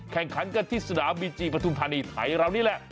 แข่งขันกันที่สนามบีจีปฐุมธานีไทยเรานี่แหละ